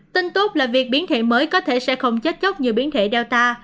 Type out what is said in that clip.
tin tốt là việc biến thể mới có thể sẽ không chết chóc như biến thể delta